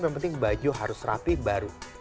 yang penting baju harus rapih baru